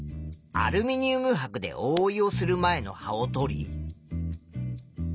アルミニウムはくでおおいをする前の葉をとり。